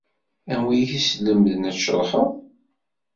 Anwa ay ak-yeslemden ad tceḍḥeḍ?